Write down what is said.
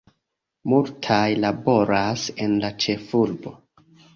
Multaj laboras en la ĉefurbo.